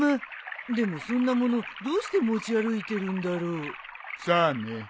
でもそんなものどうして持ち歩いてるんだろう？さあね。